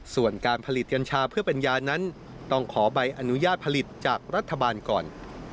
ส่วนการผลิตกัญชาเพื่อเป็นยานั้นต้องขอใบอนุญาตผลิตจากรัฐบาลก่อน